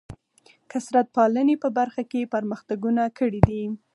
کثرت پالنې په برخه کې پرمختګونه کړي دي.